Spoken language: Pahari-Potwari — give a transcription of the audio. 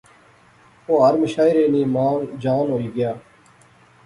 او ہر مشاعرے نی مانگ جان ہوئی گیا